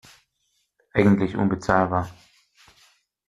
Eigentlich unbezahlbar.